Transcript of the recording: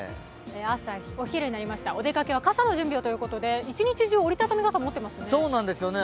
お昼、お出かけは傘の準備をということで、一日中折りたたみ傘持ってますね。